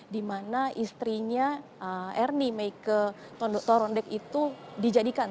di mana istrinya ernie meike torondek itu dijadikan